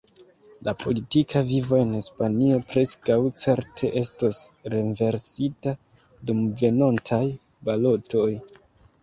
La politika vivo en Hispanio preskaŭ certe estos renversita dum venontaj balotoj.